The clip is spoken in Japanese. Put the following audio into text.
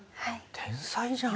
天才じゃん。